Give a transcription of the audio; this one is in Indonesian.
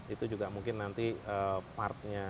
itu juga mungkin nanti partnya